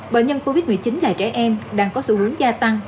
bệnh nhân covid một mươi chín là trẻ em đang có xu hướng gia tăng